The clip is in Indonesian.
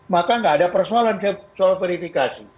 maka nggak ada persoalan soal verifikasi